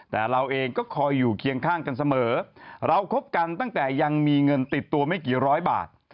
แต่เราเองก็คอยอยู่เคียงข้างกันเสมอเราคบกันตั้งแต่ยังมีเงินติดตัวไม่กี่ร้อยบาท